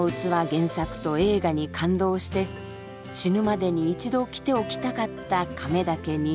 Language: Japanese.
原作と映画に感動して死ぬまでに一度来ておきたかった亀嵩に」。